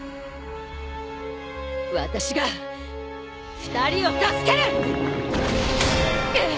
私が２人を助ける！うっ！